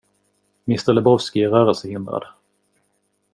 Mr Lebowski är rörelsehindrad.